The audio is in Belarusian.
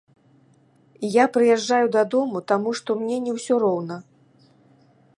Я прыязджаю дадому, таму што мне не ўсё роўна.